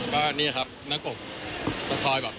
ว่านี่ครับนักกบสะท้อยแบบ